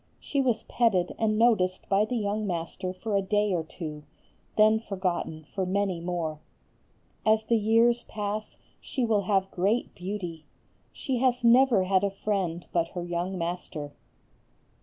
She was petted and noticed by the young master for a day or two, then forgotten for many more. As the years pass she will have great beauty. She has never had a friend but her young master.